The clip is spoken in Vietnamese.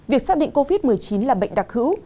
việc xác định covid một mươi chín là bệnh đặc hữu